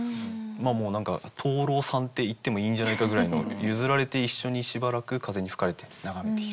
もう何か蟷螂さんって言ってもいいんじゃないかぐらいの譲られて一緒にしばらく風に吹かれて眺めている。